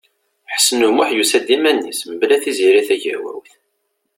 Ḥsen U Muḥ yusa-d iman-is, mebla Tiziri Tagawawt.